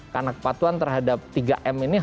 karena kepatuhan terhadap tiga m ini